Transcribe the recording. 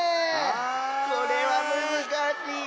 これはむずかしいな。